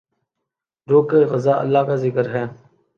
روح کی غذا اللہ کا ذکر ہے